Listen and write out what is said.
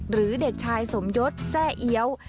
หรือเด็กชายสมยศแทร่เอี๊ยว